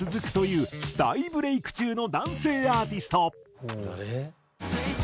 大ブレイク中の男性アーティスト。